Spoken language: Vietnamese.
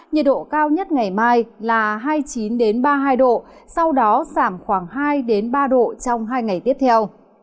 nhiệt độ cao nhất ngày mai là hai mươi chín ba mươi hai độ sau đó giảm khoảng hai ba độ trong hai ngày tiếp theo